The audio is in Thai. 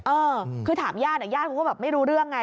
เออคือถามญาติญาติเขาก็แบบไม่รู้เรื่องไง